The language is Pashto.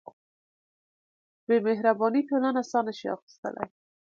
بېمهربانۍ ټولنه ساه نهشي اخیستلی.